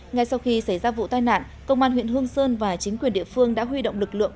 ngay sau khi xảy ra vụ tai nạn công an huyện hương sơn và chính quyền địa phương đã huy động lực lượng